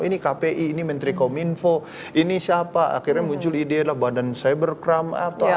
ini kpi ini menteri kominfo ini siapa akhirnya muncul ide adalah badan cybercrime atau apa